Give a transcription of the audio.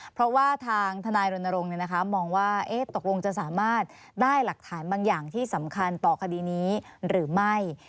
เพราะว่าทางทนายรณรงค์มองว่าตกลงจะสามารถได้หลักฐานบางอย่างที่สำคัญต่อคดีนี้หรือไม่